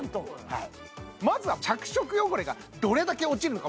はいまずは着色汚れがどれだけ落ちるのか